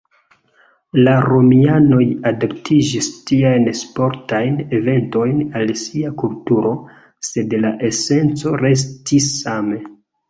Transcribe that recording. La romianoj adaptiĝis tiajn sportajn eventojn al sia kulturo, sed la esenco restis same.